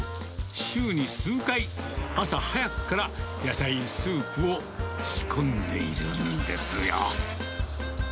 週に数回、朝早くから野菜スープを仕込んでいるんですよ。